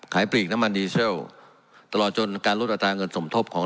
ปลีกน้ำมันดีเซลตลอดจนการลดอัตราเงินสมทบของ